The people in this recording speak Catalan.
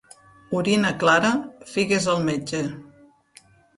Orina clara, figues al metge.